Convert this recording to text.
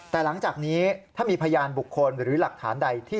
แต่หลังจากนี้ถ้ามีพยานบุคคลหรือหลักฐานใดที่